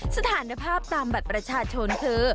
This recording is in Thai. สถานภาพตามบัตรประชาชนคือ